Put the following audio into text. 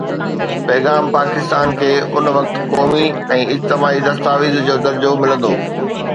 پيغام پاڪستان کي ان وقت قومي ۽ اجتماعي دستاويز جو درجو ملندو.